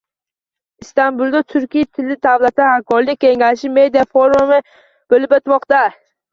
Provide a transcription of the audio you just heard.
Istanbulda Turkiy tilli davlatlar hamkorlik kengashi media-forumi bo‘lib o‘tmoqda